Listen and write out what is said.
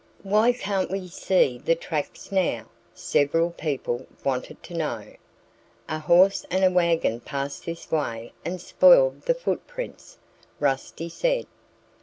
"Why can't we see the tracks now?" several people wanted to know. "A horse and wagon passed this way and spoiled the footprints," Rusty said.